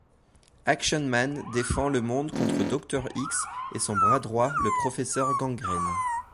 Action Man défend le monde contre Dr-X et son bras droit le Pr.Gangrène.